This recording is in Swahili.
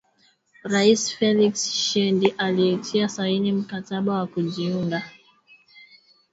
Rais Felix Tchisekedi alitia saini mkataba wa kujiunga,